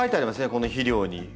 この肥料に。